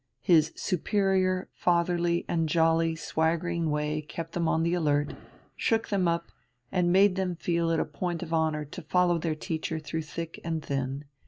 His superior, fatherly, and jolly, swaggering way kept them on the alert, shook them up, and made them feel it a point of honour to follow their teacher through thick and thin.